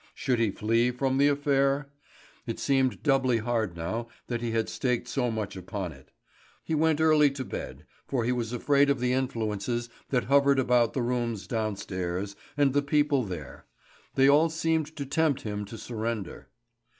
Should he flee from the affair? It seemed doubly hard now that he had staked so much upon it. He went early to bed, for he was afraid of the influences that hovered about the rooms downstairs and the people there; they all seemed to tempt him to surrender.